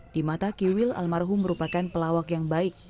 di mata kiwil almarhum merupakan pelawak yang baik